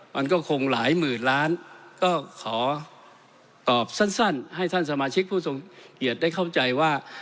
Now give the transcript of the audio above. มันก็คงหลายหมื่นล้านก็ขอตอบสั้นให้ท่านสมาชิกผู้ทรงเกียจได้เข้าใจว่า